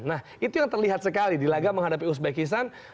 nah itu yang terlihat sekali di laga menghadapi uzbekisan